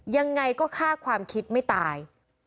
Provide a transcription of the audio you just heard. ยังไงก็ฆ่าความคิดไม่ตาย